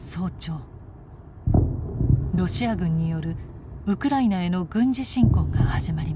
ロシア軍によるウクライナへの軍事侵攻が始まりました。